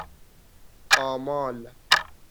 آمال